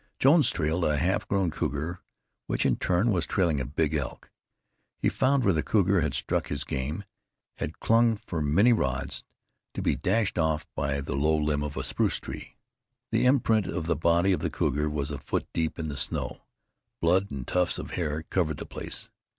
Jones trailed a half grown cougar, which in turn was trailing a big elk. He found where the cougar had struck his game, had clung for many rods, to be dashed off by the low limb of a spruce tree. The imprint of the body of the cougar was a foot deep in the snow; blood and tufts of hair covered the place.